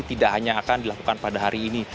tidak hanya akan dilakukan pada hari ini